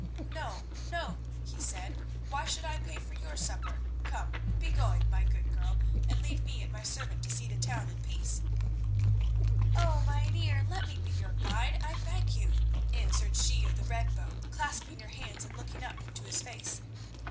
"No, no," he said, "why should I pay for your supper? Come, be going, my good girl, and leave me and my servant to see the town in peace." "Oh! Mynheer, let me be your guide, I beg you," answered she of the red bow clasping her hands and looking up into his face.